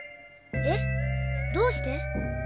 えっどうして？